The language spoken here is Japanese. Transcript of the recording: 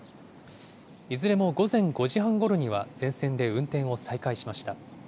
いずれも午前５時半ごろには全線で運転を再開しました。